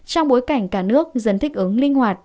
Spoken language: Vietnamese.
trong bối cảnh cả nước dần thích ứng linh hoạt